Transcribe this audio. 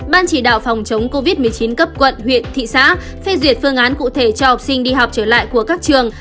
ban chỉ đạo phòng chống covid một mươi chín cấp quận huyện thị xã phê duyệt phương án cụ thể cho học sinh đi học trở lại của các trường